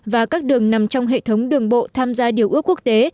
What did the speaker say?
và các đường nằm trong hệ thống đường bộ tham gia điều ước quốc tế